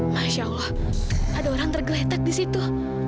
masya allah ada orang tergeletak di situ